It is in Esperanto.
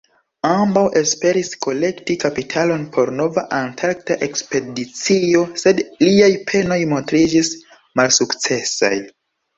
Ambaŭ esperis kolekti kapitalon por nova antarkta ekspedicio, sed liaj penoj montriĝis malsukcesaj.